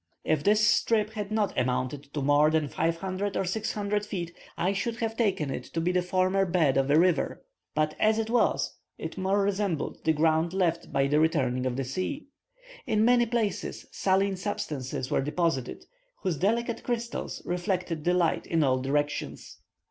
If this strip had not amounted to more than 500 or 600 feet, I should have taken it to be the former bed of a river; but as it was, it more resembled the ground left by the returning of the sea. In many places saline substances were deposited, whose delicate crystals reflected the light in all directions.